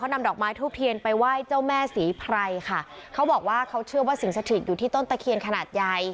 นำดอกไม้ทูบเทียนไปไหว้เจ้าแม่ศรีไพรค่ะเขาบอกว่าเขาเชื่อว่าสิ่งสถิตอยู่ที่ต้นตะเคียนขนาดใหญ่